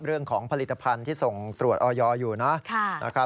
เรื่องของผลิตภัณฑ์ที่ส่งตรวจออยอยู่นะครับ